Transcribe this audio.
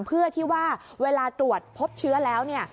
เพื่อที่ว่าเวลาตรวจพบเชื้อแล้วเนี่ย